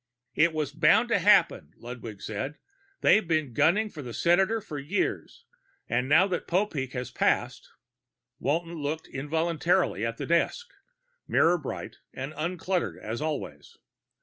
"It was bound to happen," Ludwig said. "They've been gunning for the senator for years. And now that Popeek was passed...." Walton looked involuntarily at the desk, mirror bright and uncluttered as always.